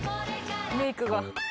メークが。